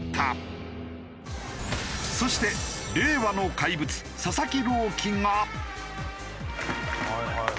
そして令和の怪物佐々木朗希が。